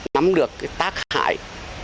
nắm được tác hại